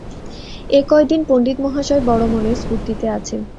এ কয়দিন পণ্ডিতমহাশয় বড়ো মনের স্ফূর্তিতে আছেন।